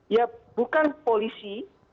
ya bukan polisi